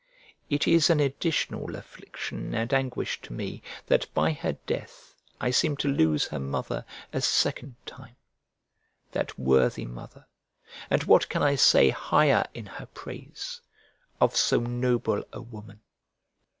It is an additional affliction and anguish to me that by her death I seem to lose her mother a second time; that worthy mother (and what can I say higher in her praise?) of so noble a woman!